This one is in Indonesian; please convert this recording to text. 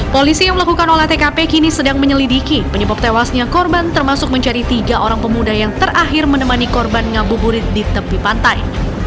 polisi yang melakukan olah tkp kini sedang menyelidiki penyebab tewasnya korban termasuk mencari tiga orang pemuda yang terakhir menemani korban ngabuburit di tepi pantai